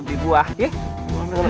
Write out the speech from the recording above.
biar buah ya